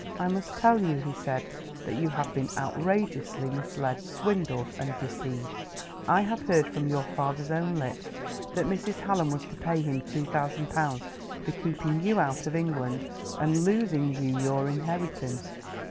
"I must tell you," he said, "that you have been outrageously misled, swindled and deceived. I have heard from your father's own lips that Mrs. Hallam was to pay him two thousand pounds for keeping you out of England and losing you your inheritance.